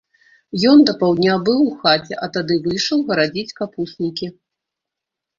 Ён да паўдня быў у хаце, а тады выйшаў гарадзіць капуснікі.